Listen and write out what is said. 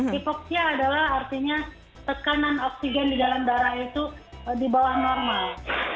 hipoksia adalah artinya tekanan oksigen di dalam darah itu di bawah normal